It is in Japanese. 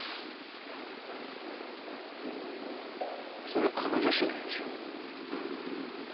それは彼女しだいでしょ。